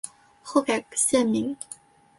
后改现名。